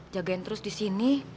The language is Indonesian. jagain terus di sini